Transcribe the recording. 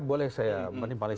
boleh saya menimpal